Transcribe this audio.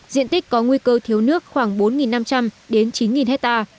diện tích có nguy cơ thiếu nước khoảng bốn năm trăm linh đến chín hectare